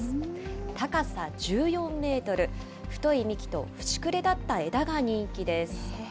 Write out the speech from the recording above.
高さ１４メートル、太い幹と節くれ立った枝が人気です。